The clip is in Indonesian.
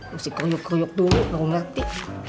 mesti kuyuk kuyuk dulu baru ngerti